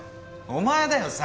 お前だよ猿！